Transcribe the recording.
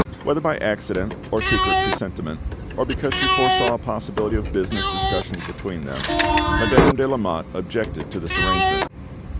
Whether by accident, or secret presentiment, or because she foresaw a possibility of business discussions between them, Madame de Lamotte objected to this arrangement.